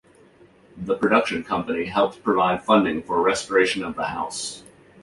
The production company helped provide funding for restoration of the house.